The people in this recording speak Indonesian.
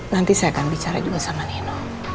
nanti saya akan bicara juga sama nino